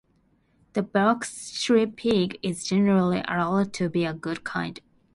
The Berkshire pig, is generally allowed to be a good kind.